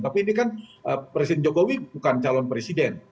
tapi ini kan presiden jokowi bukan calon presiden